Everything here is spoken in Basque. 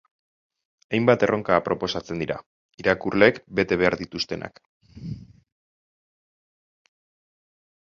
Hainbat erronka proposatzen dira, irakurleek bete behar dituztenak.